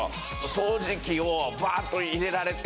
掃除機をバッと入れられて。